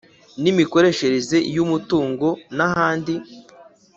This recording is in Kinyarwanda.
mu mikoreshereze y’umutungo n’ahandi.